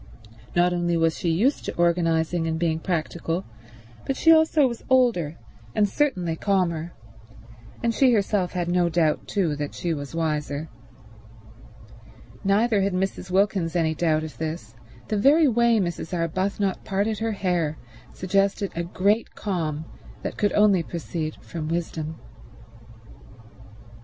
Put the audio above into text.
Not only was she used to organizing and being practical, but she also was older, and certainly calmer; and she herself had no doubt too that she was wiser. Neither had Mrs. Wilkins any doubt of this; the very way Mrs. Arbuthnot parted her hair suggested a great calm that could only proceed from wisdom.